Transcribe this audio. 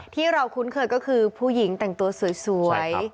ที่เราคุ้นเคยก็คือผู้หญิงแต่งตัวสวย